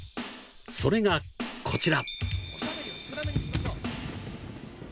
それが、こちら。